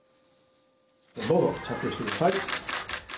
どうぞ、着用してください。